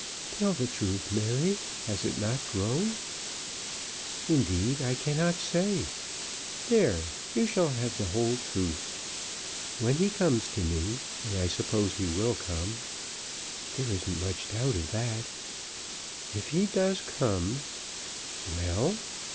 "Tell the truth, Mary; has it not grown?" "Indeed I cannot say. There; you shall have the whole truth. When he comes to me, and I suppose he will come." "There isn't much doubt of that." "If he does come " "Well?"